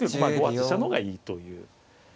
５八飛車の方がいいという。